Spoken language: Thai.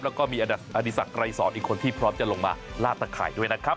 แล้วก็มีอดีศักดรายสอนอีกคนที่พร้อมจะลงมาลาดตะข่ายด้วยนะครับ